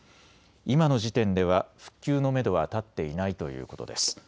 今の時点では復旧のめどは立っていないということです。